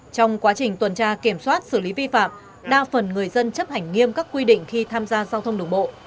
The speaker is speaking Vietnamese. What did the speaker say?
trong quá trình tuần tra kiểm soát xử lý vi phạm đa phần người dân chấp hành nghiêm các quy định khi tham gia giao thông đường bộ